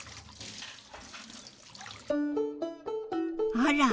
あら！